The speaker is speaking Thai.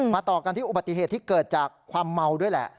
ต่อกันที่อุบัติเหตุที่เกิดจากความเมาด้วยแหละ